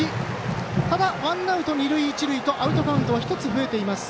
ただ、ワンアウト、二塁一塁とアウトカウント１つ増えています